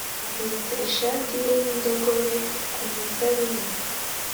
aziritse ishashi ye y indogobe ku muzabibu